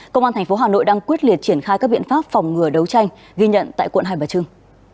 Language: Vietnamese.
công an tp hà nội đang quyết liệt triển khai các biện pháp phòng ngừa đấu tranh ghi nhận tại quận hai bà trưng